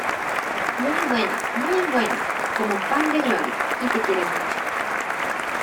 ¡Muy buena! ¡Muy buena! ¡Cómo un pan de gloria! y te quiere mucho.